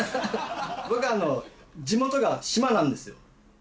僕地元が島なんですよ。